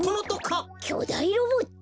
きょだいロボット？